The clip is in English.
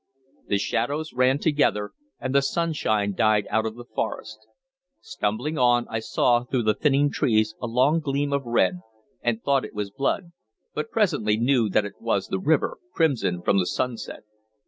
The shadows ran together, and the sunshine died out of the forest. Stumbling on, I saw through the thinning trees a long gleam of red, and thought it was blood, but presently knew that it was the river, crimson from the sunset.